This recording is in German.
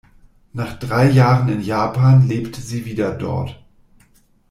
Nach drei Jahren in Japan lebt sie wieder dort.